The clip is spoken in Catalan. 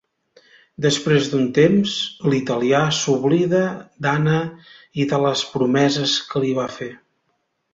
Després d'un temps, l'italià s'oblida d'Anna i de les promeses que li va fer.